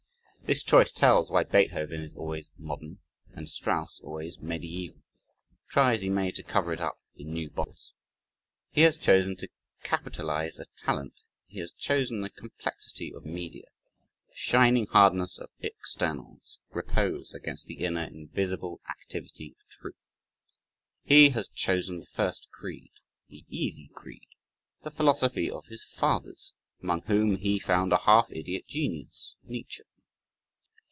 This choice tells why Beethoven is always modern and Strauss always mediaeval try as he may to cover it up in new bottles. He has chosen to capitalize a "talent" he has chosen the complexity of media, the shining hardness of externals, repose, against the inner, invisible activity of truth. He has chosen the first creed, the easy creed, the philosophy of his fathers, among whom he found a half idiot genius (Nietzsche).